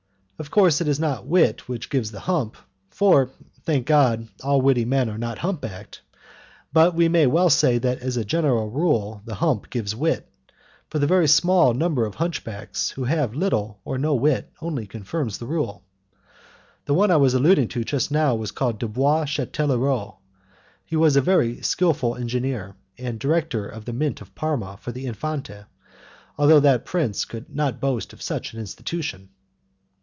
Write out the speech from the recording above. Of course it is not wit which gives the hump, for, thank God, all witty men are not humpbacked, but we may well say that as a general rule the hump gives wit, for the very small number of hunchbacks who have little or no wit only confirms the rule: The one I was alluding to just now was called Dubois Chateleraux. He was a skilful engraver, and director of the Mint of Parma for the Infante, although that prince could not boast of such an institution.